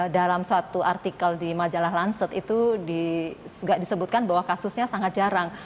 dalam suatu artikel di majalah lanset itu disebutkan bahwa kasusnya sangat jarang